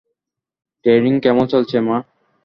Training কেমন চলছে, মা?